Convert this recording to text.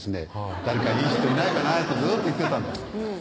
「誰かいい人いないかな」ってずっと言ってたんですそ